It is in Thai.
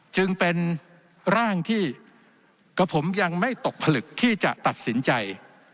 จึงเป็นร่างที่กระผมยังไม่ตกผลึกที่จะตัดสินใจ